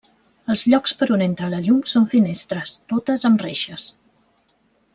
Els llocs per on entra la llum són finestres, totes amb reixes.